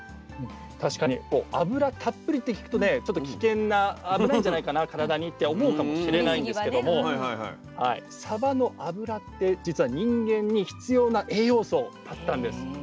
確かにこう脂たっぷりって聞くとねちょっと危険な危ないんじゃないかな体にって思うかもしれないんですけどもサバの脂って実は人間に必要な栄養素だったんです。